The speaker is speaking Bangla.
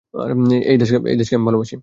এই দেশকে আমি ভালোবাসি!